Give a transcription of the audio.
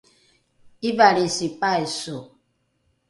’ivalrisi paiso